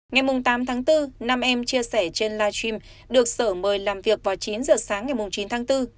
ngày tám tháng bốn năm em chia sẻ trên live stream được sở mời làm việc vào chín giờ sáng ngày chín tháng bốn